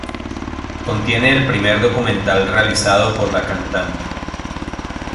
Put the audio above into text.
Contiene el primer documental realizado por la cantante.